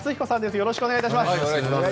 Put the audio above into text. よろしくお願いします。